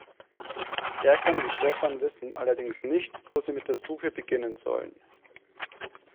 Erkan und Stefan wissen allerdings nicht, wo sie mit der Suche beginnen sollen.